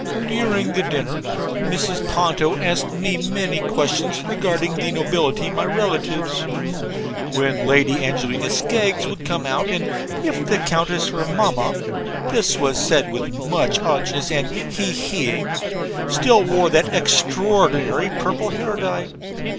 During the dinner Mrs. Ponto asked me many questions regarding the nobility, my relatives. 'When Lady Angelina Skeggs would come out; and if the countess her mamma' (this was said with much archness and he he ing) 'still wore that extraordinary purple hair dye?'